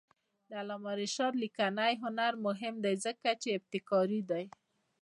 د علامه رشاد لیکنی هنر مهم دی ځکه چې ابتکاري دی.